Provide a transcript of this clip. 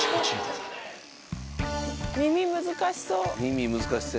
耳難しそう。